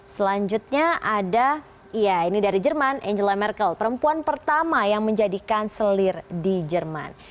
selanjutnya ada ya ini dari jerman angela merkel perempuan pertama yang menjadikan selir di jerman